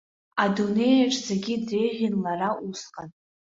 Адунеиаҿ зегьы дреиӷьын лара усҟан.